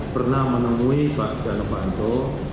pernah menemui pak setia novanto